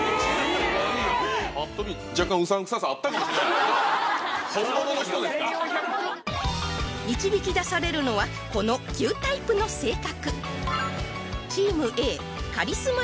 パッと見若干導き出されるのはこの９タイプの性格